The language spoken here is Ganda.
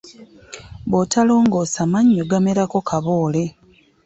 Bwotaloongosa mannyo gamerako kaboole.